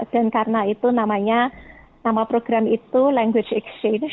dan karena itu nama program itu language exchange